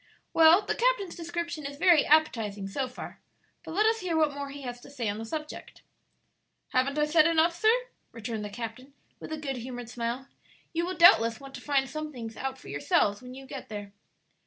Well, the captain's description is very appetizing so far, but let us hear what more he has to say on the subject." "Haven't I said enough, sir?" returned the captain, with a good humored smile. "You will doubtless want to find some things out for yourselves when you get there."